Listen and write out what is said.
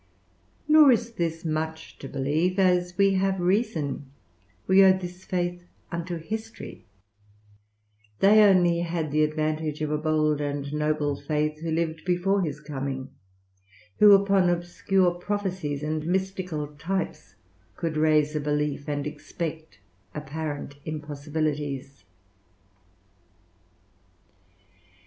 Nor is this much to believe; as we have reason, we owe this faith unto history: they only had the advantage of a bold and noble faith who lived before his coming, who upon obscure prophecies and mystical types could raise a belief and expect apparent impossibilities.